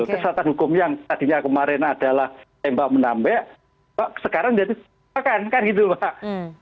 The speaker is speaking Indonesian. kesesatan hukum yang tadinya kemarin adalah tembak menambek sekarang jadi sesakan kan gitu mbak